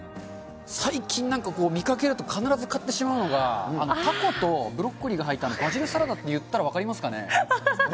最近なんか見かけると必ず買ってしまうのが、タコとブロッコリーが入ったバジルサラダって言ったら分かりますかね。